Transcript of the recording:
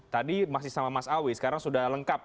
tadi masih sama mas awi sekarang sudah lengkap